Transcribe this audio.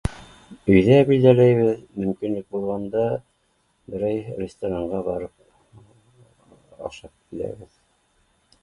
Өйҙә билдәләйбеҙ, мөмкинлек булғанда берәй ресторанға барып ашап киләбеҙ.